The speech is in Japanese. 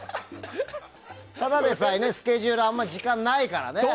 ただでさえ、スケジュールあんまり時間がないからね。